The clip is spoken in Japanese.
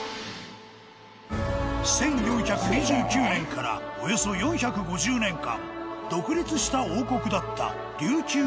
１４２９年からおよそ４５０年間独立した王国だった琉球王国。